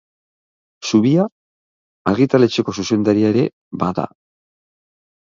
Zubia argitaletxeko zuzendaria ere bada.